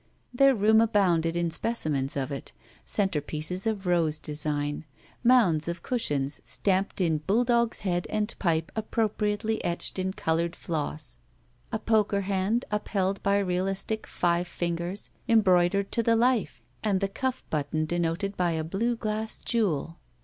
Their room abounded in specimens of it. Center pieces of rose design. Motmds of cushions stamped in bulldog's head and pipe and appropriately etched in colored floss. A poker hand, upheld by realistic five fingers embroidered to the life, and the cuflf button denoted by a blue glass jewel.